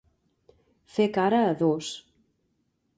Fer cara a dos.